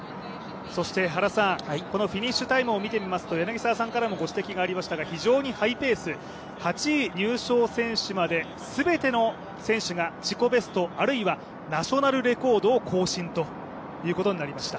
そしてフィニッシュタイムを見てみますと非常にハイペース、８位入賞選手まで全ての選手が自己ベスト、あるいはナショナルレコードを更新ということになりました。